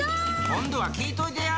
今度は聞いといてや！